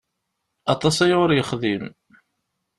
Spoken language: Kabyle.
Aṭas aya ur yexdim.